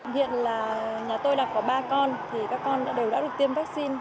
hiện là nhà tôi đã có ba con thì các con đều đã được tiêm vaccine